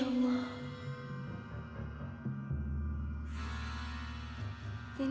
t queda siang